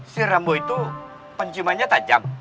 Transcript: si rambo itu pencimanya tajam